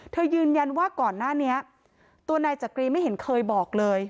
ยืนยันว่าก่อนหน้านี้ตัวนายจักรีไม่เห็นเคยบอกเลย